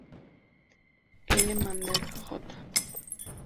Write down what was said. L. Mandel Jr.